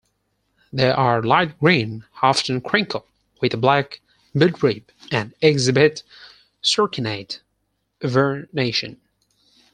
They are light green, often crinkled, with a black midrib, and exhibit circinate vernation.